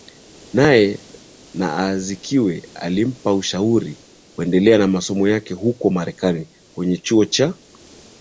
naye na Azikiwe alimpa ushauri kuendelea na masomo yake huko Marekani kwenye chuo cha